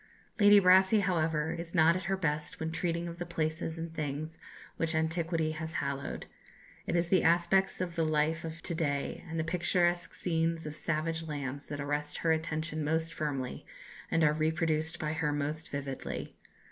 Lady Brassey, however, is not at her best when treating of the places and things which antiquity has hallowed: it is the aspects of the life of to day and the picturesque scenes of savage lands that arrest her attention most firmly, and are reproduced by her most vividly.